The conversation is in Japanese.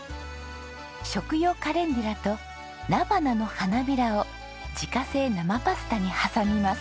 食用カレンデュラと菜花の花びらを自家製生パスタに挟みます。